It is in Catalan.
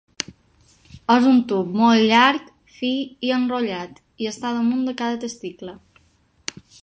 És un tub molt llarg, fi i enrotllat i està damunt de cada testicle.